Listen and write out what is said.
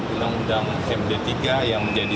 undang undang md tiga yang menjadi